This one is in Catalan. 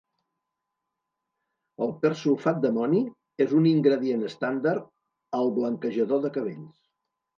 El persulfat d"amoni és un ingredient estàndard al blanquejador de cabells.